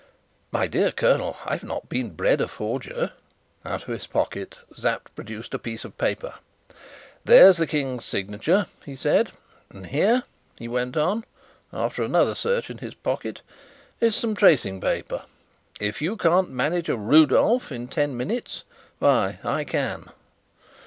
"My dear colonel, I've not been bred a forger!" Out of his pocket Sapt produced a piece of paper. "There's the King's signature," he said, "and here," he went on, after another search in his pocket, "is some tracing paper. If you can't manage a 'Rudolf' in ten minutes, why I can."